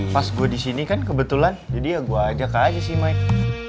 pas gue di sini kan kebetulan jadi ya gue ajak aja sih mike